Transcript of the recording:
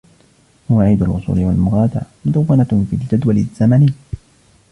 مواعيد الوصول والمغادرة مدونة في الجدول الزمني.